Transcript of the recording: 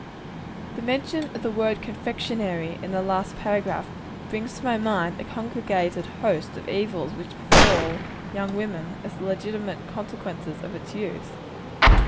The mention of the word confectionary, in the last paragraph, brings to my mind a congregated host of evils which befall young women, as the legitimate consequences of its use.